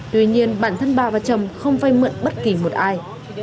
tuy nhiên bản thân bà và chồng không vay mượn bất kỳ một ai